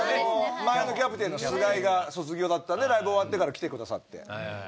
前のキャプテンの菅井が卒業だったんでライブ終わってから来てくださって。